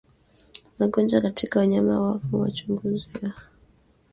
magonjwa katika wanyama wafu uchunguzi wa mizoga na kinga